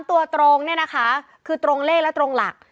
ตัวตรงเนี่ยนะคะคือตรงเลขและตรงหลัก